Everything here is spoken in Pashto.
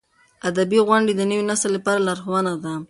ادبي غونډې د نوي نسل لپاره لارښوونه ده.